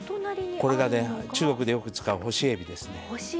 これが中国でよく使う干しえびですね。